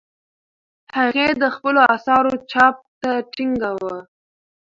هغې د خپلو اثارو چاپ ته ټینګه وه.